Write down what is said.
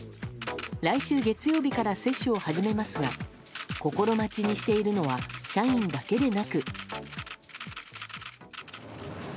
来週月曜日から接種を始めますが心待ちにしているのは社員だけでなく。